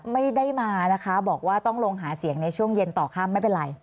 ไม่ได้มานะคะบอกว่าต้องลงหาเสียงในช่วงเย็นต่อข้ามไม่เป็นไร